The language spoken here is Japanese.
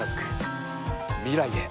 未来へ。